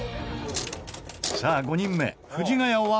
さあ５人目、藤ヶ谷は？